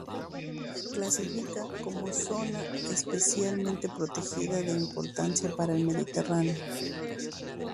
Se clasifica como Zona Especialmente Protegida de Importancia para el Mediterráneo.